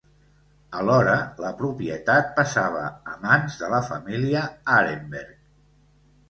Alhora la propietat passava a mans de la família Arenberg.